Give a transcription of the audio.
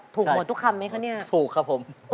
ถูกหมดคำรึไหมใช่ถูกครับผม